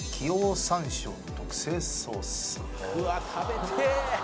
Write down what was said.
うわっ食べてえ！